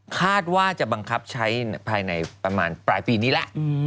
คาดว่าจะบังคับใช้ภายในประมาณปลายปีนี้แหละ